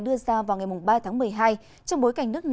đưa ra vào ngày ba tháng một mươi hai